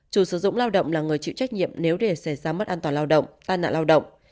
chủ sử dụng lao động là người chịu trách nhiệm nếu để xảy ra mất an toàn lao động tai nạn lao động